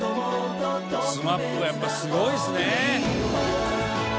ＳＭＡＰはやっぱすごいですね。